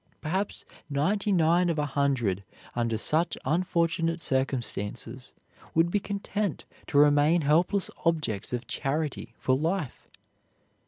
Perhaps ninety nine of a hundred under such unfortunate circumstances would be content to remain helpless objects of charity for life.